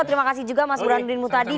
terima kasih juga mas burhanuddin mutadi